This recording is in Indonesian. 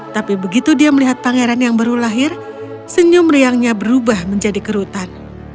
tapi begitu dia melihat pangeran yang baru lahir senyum riangnya berubah menjadi kerutan